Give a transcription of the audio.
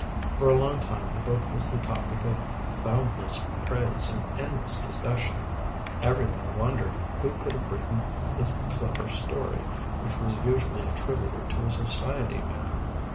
For a long time the book was the topic of boundless praise and endless discussion. Every one wondered who could have written the clever story, which was usually attributed to a society man.